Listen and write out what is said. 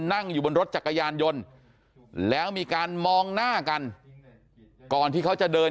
นั่งอยู่บนรถจักรยานยนต์แล้วมีการมองหน้ากันก่อนที่เขาจะเดิน